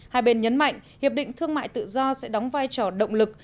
hai bên nhấn mạnh hiệp định thương mại tự do sẽ đóng vai trò động lực